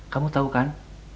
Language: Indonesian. kamu tau kan